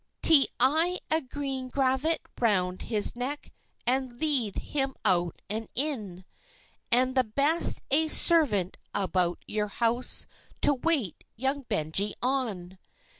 "Tie a green gravat round his neck, And lead him out and in, And the best ae servant about your house To wait young Benjie on.